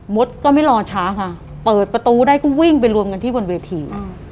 ก็ไม่รอช้าค่ะเปิดประตูได้ก็วิ่งไปรวมกันที่บนเวที